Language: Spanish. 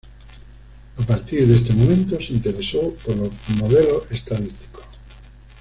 A partir de este momento se interesó por los modelo estadísticos.